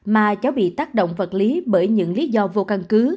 mà cháu bị tác động vật lý bởi những lý do vô căn cứ